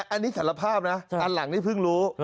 อันนี้สารภาพนะอันหลังนี่เพิ่งรู้